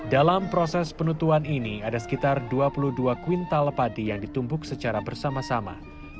dalam proses penutupan ini ada sekitar dua puluh dua kuintal padi yang ditumbuk secara bersama sama